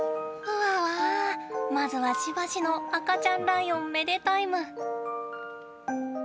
ふぁ、まずは、しばしの赤ちゃんライオンめでタイム。